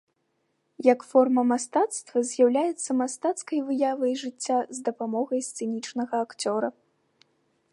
Як форма мастацтва з'яўляецца мастацкай выявай жыцця з дапамогай сцэнічнага акцёра.